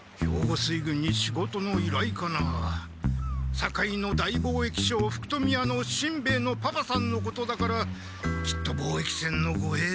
堺の大貿易商福富屋のしんべヱのパパさんのことだからきっと貿易船のごえいとか。